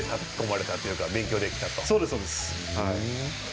そうです、そうです。